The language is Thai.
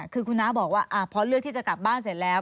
คือคุณน้าบอกว่าพอเลือกที่จะกลับบ้านเสร็จแล้ว